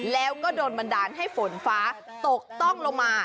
แล้วก็โดนบันดาลให้ฝนฟ้าตกต้องลงมา